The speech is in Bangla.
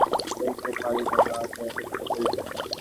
আমরা কোনদিনই তাঁহাকে প্রতারিত করিতে পারি না।